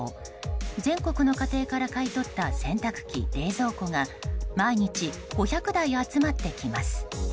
全国の家庭から買い取った洗濯機、冷蔵庫が毎日５００台集まってきます。